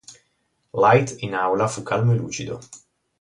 Light in aula fu calmo e lucido.